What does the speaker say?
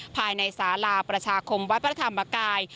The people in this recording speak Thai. ภายในสาราประชาคมวัดพระธรรมกาย